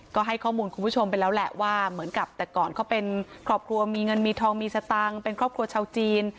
ก็ให้ข้อมูลคุณผู้ชมไปแล้วแหละว่าเหมือนกับแต่ก่อนเขาเป็นครอบครัวมีเงินมีทองมีสตังค์เป็นครอบครัวชาวจีน